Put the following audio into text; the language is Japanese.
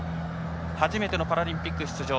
初めてのパラリンピック出場。